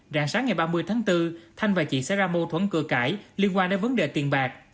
rạng sáng ngày ba mươi tháng bốn thanh và chị sẽ ra mâu thuẫn cựa cãi liên quan đến vấn đề tiền bạc